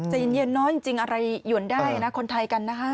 ใจเย็นน้อยจริงอะไรหยวนได้นะคนไทยกันนะคะ